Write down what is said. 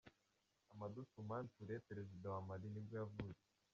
Amadou Toumani Touré, perezida wa Mali nibwo yavutse.